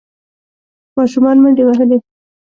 ماشومان منډې وهلې.